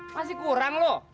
masih kurang lo